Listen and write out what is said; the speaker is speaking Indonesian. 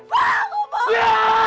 pak aku mohon